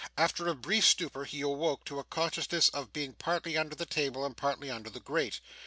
After a brief stupor, he awoke to a consciousness of being partly under the table and partly under the grate.